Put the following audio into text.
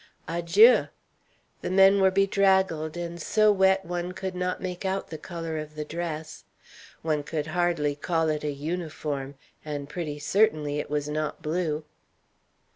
"Adjieu." The men were bedraggled, and so wet one could not make out the color of the dress. One could hardly call it a uniform, and pretty certainly it was not blue.